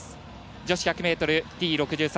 女子１００ｍＴ６３